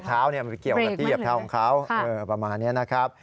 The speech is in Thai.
เท้ามันเกี่ยวกับที่เหยียบเท้าของเขาประมาณนี้นะครับ